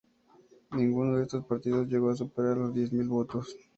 Ninguno de estos partidos llegó a superar los diez mil votos.